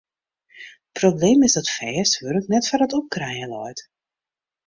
Probleem is dat fêst wurk net foar it opkrijen leit.